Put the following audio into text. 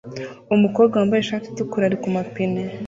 Umukobwa wambaye ishati itukura ari kumapine